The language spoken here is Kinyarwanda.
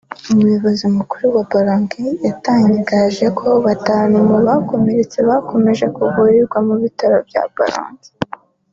umuyobozi mukuru wa Baragoi yatangaje ko batanu mu bakomeretse bakomeje kuvurirwa mu bitaro bya Baragoi